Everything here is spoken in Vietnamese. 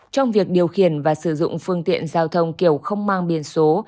trong việc điều khiển và sử dụng phương tiện giao thông kiểu không mang biển số